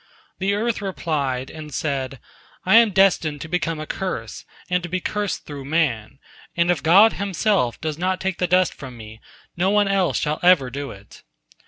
The earth replied, and said: "I am destined to become a curse, and to be cursed through man, and if God Himself does not take the dust from me, no one else shall ever do it."